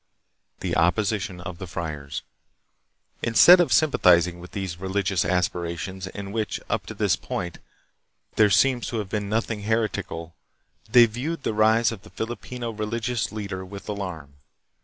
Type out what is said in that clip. The Opposition of the Friars. Instead of sympa thizing with these religious aspirations, in which, up to this point, there seems to have been nothing heretical, they viewed the rise of a Filipino religious leader with alarm.